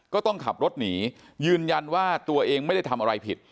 ก็ต้องขับรถหนียืนยันว่าตัวเองไม่ได้ทำอะไรผิด